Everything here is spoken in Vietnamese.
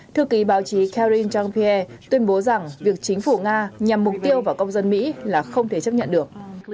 thư ký báo chí kerine jean pierre tuyên bố rằng việc chính phủ nga nhằm mục tiêu vào công dân mỹ là không thể chấp nhận được